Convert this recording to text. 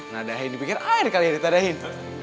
nadahin dipikir air kali ya ditadain